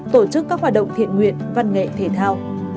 tổ chức các hoạt động thiện nguyện văn nghệ thể thao